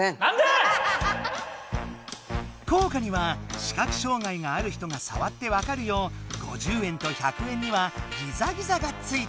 硬貨には視覚障害がある人がさわってわかるよう５０円と１００円にはギザギザがついている。